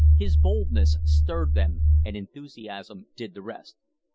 His boldness stirred them and enthusiasm did the rest.